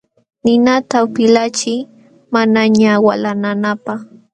Ninata upilachiy manañaq walananapaq.